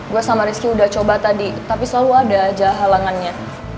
gue sama rizky udah coba tadi tapi selalu ada aja halangannya